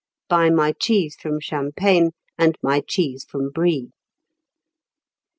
("Buy my cheese from Champagne, And my cheese from Brie!")